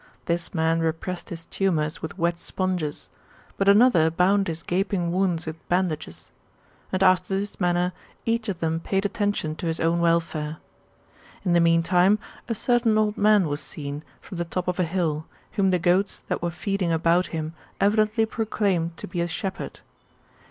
This man repressed his humours with wet sponges ; but another bound his gaping wounds with bandages. And after this manner each of them paid attention to his own welfare. In the meantime, a certain old man was seen, from the top of a hill, whom the goats that were feeding about him evidently proclaimed to be a shepherd.